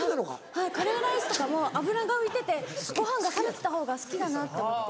はいカレーライスとかも脂が浮いててご飯が冷めてたほうが好きだなと思って。